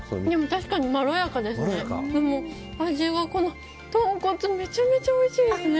確かにまろやかですね。